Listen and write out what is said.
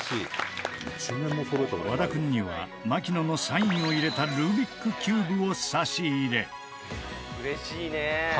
和田君には槙野のサインを入れたルービックキューブを差し入れ